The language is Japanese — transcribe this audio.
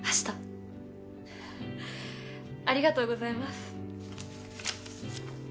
フフッありがとうございます！